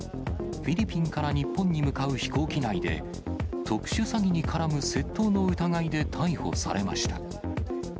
フィリピンから日本に向かう飛行機内で、特殊詐欺に絡む窃盗の疑いで逮捕されました。